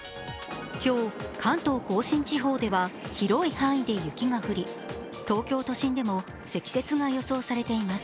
今日、関東・甲信地方では広い範囲で雪が降り東京都心でも積雪が予想されています。